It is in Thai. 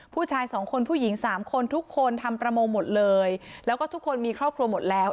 ผู้ชายสองคนผู้หญิงสามคนทุกคนทำประมงหมดเลยแล้วก็ทุกคนมีครอบครัวหมดแล้ว